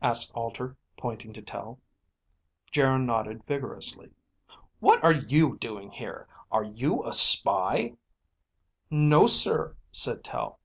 asked Alter, pointing to Tel. Geryn nodded vigorously. "What are you doing here? Are you a spy?" "No, sir," said Tel.